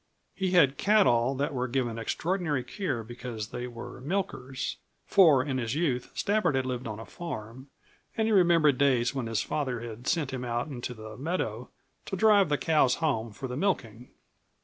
He had cattle that were given extraordinary care because they were "milkers," for in his youth Stafford had lived on a farm and he remembered days when his father had sent him out into the meadow to drive the cows home for the milking.